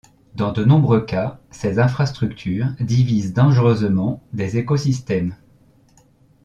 Dans de nombreux cas, ces infrastructures divisent dangereusement des écosystèmes.